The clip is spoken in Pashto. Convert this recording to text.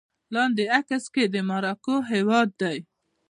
لاندې عکس کې د مراکو هېواد دی